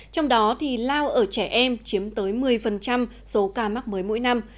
trong đó lao ở trẻ em chiếm tới một mươi số ca mắc mới mỗi năm